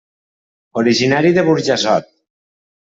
Originari de Burjassot.